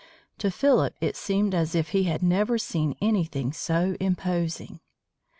To Philip it seemed as if he had never seen anything so imposing.